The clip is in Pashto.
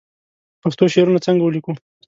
پښتو شعرونه څنګه ولیکو